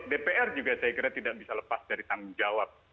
dpr juga saya kira tidak bisa lepas dari tanggung jawab